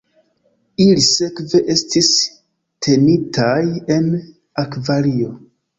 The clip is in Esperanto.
Ili sekve estis tenitaj en akvario.